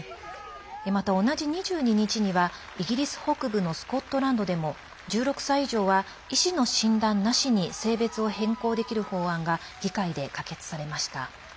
また、同じ２２日にはイギリス北部のスコットランドでも１６歳以上は医師の診断なしに性別を変更できる法案が議会で可決されました。